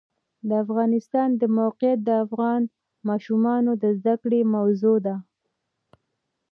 د افغانستان د موقعیت د افغان ماشومانو د زده کړې موضوع ده.